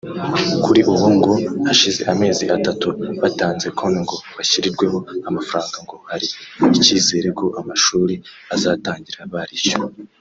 Kuri ubu ngo hashize amezi atatu batanze konti ngo bashyirirweho amafaranga ngo hari icyizere ko amashuri azatangira barishyuwe